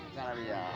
kelas dua mts